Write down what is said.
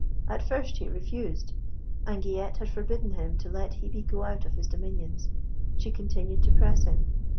At first he refused. Anguillette had forbidden him to let Hebe go out of his dominions. She continued to press him.